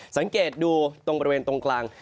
สังเกตดูตรงบริเวณตรงกลาง